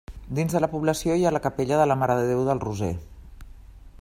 Dins de la població hi ha la capella de la Mare de Déu del Roser.